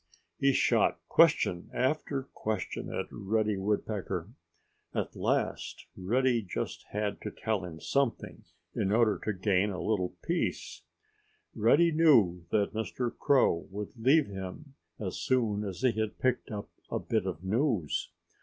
He shot question after question at Reddy Woodpecker. At last Reddy just had to tell him something in order to gain a little peace. Reddy knew that Mr. Crow would leave him as soon as he had picked up a bit of news.